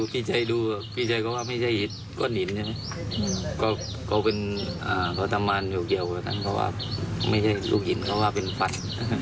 พี่ชัยดูเขาว่าไม่ใช่ก้นอินแต่เป็นฟัน